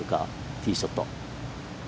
ティーショット。